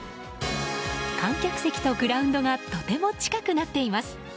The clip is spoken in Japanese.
観客席とグラウンドがとても近くなっています。